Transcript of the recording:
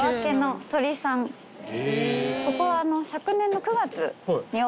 ここは。